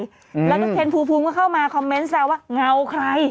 แล้วก็เพลงภูมิภูมิก็เข้ามาคอมเมนต์แบบว่าเงาใคร